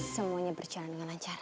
semuanya berjalan dengan lancar